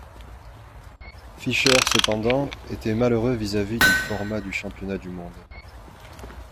Fischer, cependant, était malheureux vis-à-vis du format du Championnat du Monde.